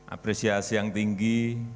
apresiasi yang tinggi